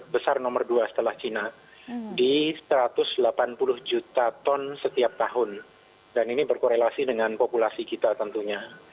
besar nomor dua setelah cina di satu ratus delapan puluh juta ton setiap tahun dan ini berkorelasi dengan populasi kita tentunya